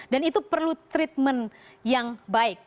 dan itu perlu treatment yang baik